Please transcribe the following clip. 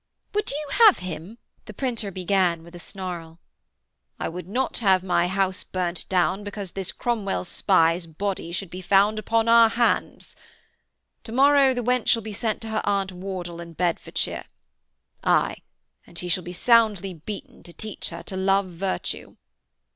'Would you have him ...' the printer began with a snarl. 'I would not have my house burnt down because this Cromwell's spy's body should be found upon our hands.... To morrow the wench shall be sent to her aunt Wardle in Bedfordshire aye, and she shall be soundly beaten to teach her to love virtue.'